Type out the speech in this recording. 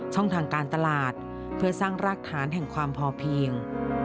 ทางการตลาดเพื่อสร้างรากฐานแห่งความพอเพียง